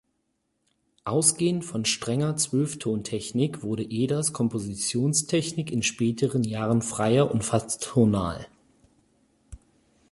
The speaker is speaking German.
Ausgehend von strenger Zwölftontechnik wurde Eders Kompositionstechnik in späteren Jahren freier und fast tonal.